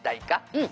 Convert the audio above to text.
「うん。